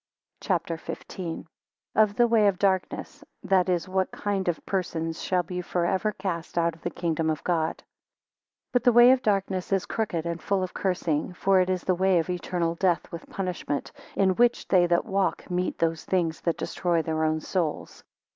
CHAPTER XV. Of the way of darkness; that is, what kind of persons shall be for ever cast out of the kingdom of God. BUT the way of darkness is crooked, and full of cursing. For it is the way of eternal death, with punishment; in which they that walk meet those things that destroy their own souls.